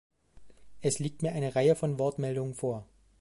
Es liegt mir eine Reihe von Wortmeldungen vor.